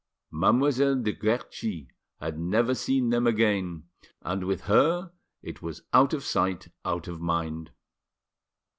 Mademoiselle de Guerchi had never seen them again; and with her it was out of sight out of mind.